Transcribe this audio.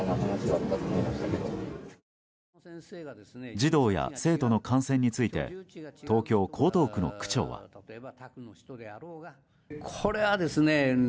児童や生徒の観戦について東京・江東区の区長は。